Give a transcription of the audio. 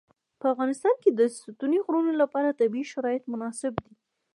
په افغانستان کې د ستوني غرونه لپاره طبیعي شرایط مناسب دي.